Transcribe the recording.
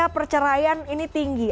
perceraian ini tinggi